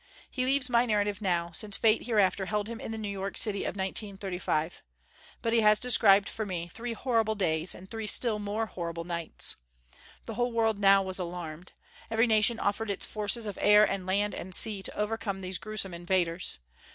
He leaves my narrative now, since fate hereafter held him in the New York City of 1935. But he has described for me three horrible days, and three still more horrible nights. The whole world now was alarmed. Every nation offered its forces of air and land and sea to overcome these gruesome invaders.